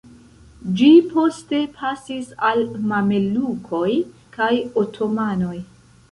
Ĝi poste pasis al mamelukoj kaj otomanoj.